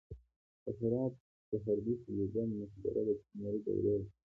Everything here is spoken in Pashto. د هرات ګوهردش بیګم مقبره د تیموري دورې ده